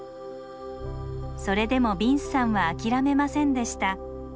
それでもビンスさんは諦めませんでした。